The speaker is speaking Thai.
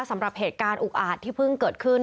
สำหรับเหตุการณ์อุกอาจที่เพิ่งเกิดขึ้น